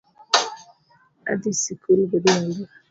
Adhi sikul godhiambo